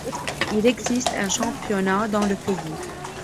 Il existe un championnat dans le pays.